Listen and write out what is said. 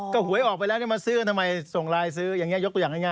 ก็หวยออกไปแล้วนี่มาซื้อทำไมส่งไลน์ซื้อยกตัวอย่างง่าย